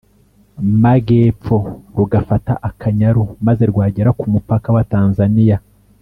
magepfo rugafata Akanyaru, maze rwagera ku mupaka wa Tanzaniya